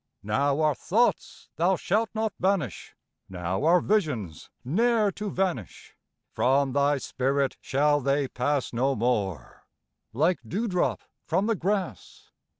Now are thoughts thou shalt not banish, Now are visions ne'er to vanish; 20 From thy spirit shall they pass No more, like dewdrops from the grass.